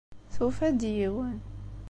Tufa-d yiwen.